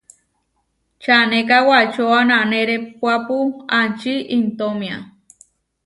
Čanéka wačóa nanerépuapu aʼčí intómia.